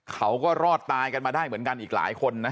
เขาก็รอดตายกันมาได้เหมือนกันอีกหลายคนนะ